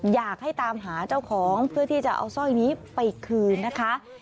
อยากให้ตามหาเจ้าของเพื่อที่จะเอาสร้อยนี้ไปคืนนะคะ